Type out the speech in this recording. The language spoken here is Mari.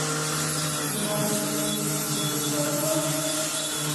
— Еҥгам ден племянникемже кушто улыт?